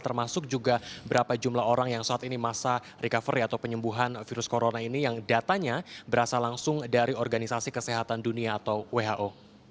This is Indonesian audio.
termasuk juga berapa jumlah orang yang saat ini masa recovery atau penyembuhan virus corona ini yang datanya berasal langsung dari organisasi kesehatan dunia atau who